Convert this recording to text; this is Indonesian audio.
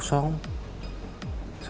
biar perutnya gak kosong